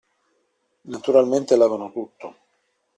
Naturalmente lavano tutto.